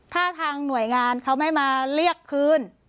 ถ้าทางหน่วยงานเขาไม่มาเรียกคืน